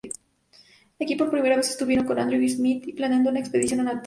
Aquí por primera vez estuvieron con Andrew Smith planeando una expedición a Natal.